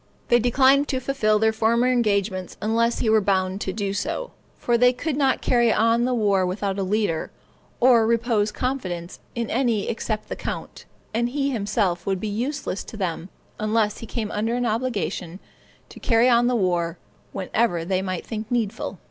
They declined to fulfil their former engagements unless he were bound to do so; for they could not carry on the war without a leader, or repose confidence in any except the count; and he himself would be useless to them, unless he came under an obligation to carry on the war whenever they might think needful."